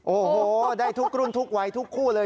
โอ้โหได้ทุกรุ่นทุกวัยทุกคู่เลย